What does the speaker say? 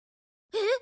えっ！